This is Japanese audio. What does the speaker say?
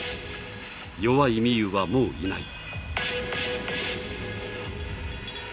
弱いみゆうは、もういない。